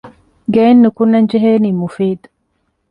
ގެއިން ނުކުންނަން ޖެހޭނީ މުފީދު